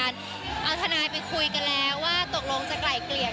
เราก็ได้รู้แล้วว่าเขาไปไกล่เกลี่ยกัน